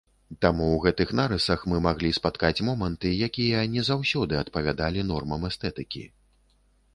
Таму ў гэтых нарысах мы маглі спаткаць моманты, якія не заўсёды адпавядалі нормам эстэтыкі.